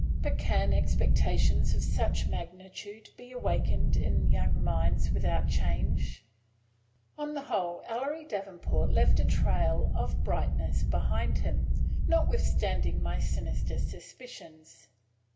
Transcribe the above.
But can expectations of such magnitude be awakened in young minds without change? On the whole, Ellery Davenport left a trail of brightness behind him, notwithstanding my sinister suspicions.